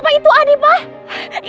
bapak itu adi pak